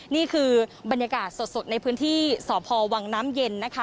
นี่คือบรรยากาศสดในพื้นที่สพวังน้ำเย็นนะคะ